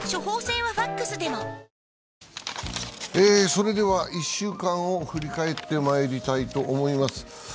それでは１週間を振り返ってまいりたいと思います。